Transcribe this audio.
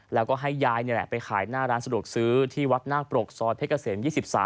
แล้วก็ให้ยายนี่แหละไปขายหน้าร้านสะดวกซื้อที่วัดนาคปรกซอยเพชรเกษม๒๓